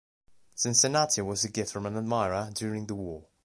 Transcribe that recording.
Cincinnati was a gift from an admirer during the War.